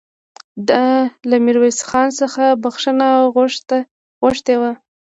ده له ميرويس خان څخه بخښنه غوښتې وه